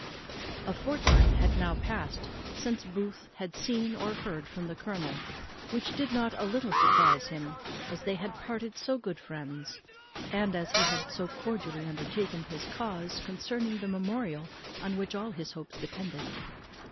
_ A fortnight had now passed since Booth had seen or heard from the colonel, which did not a little surprize him, as they had parted so good friends, and as he had so cordially undertaken his cause concerning the memorial on which all his hopes depended.